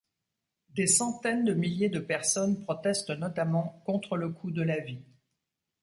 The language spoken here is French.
Des centaines de milliers de personnes protestent notamment contre le coût de la vie.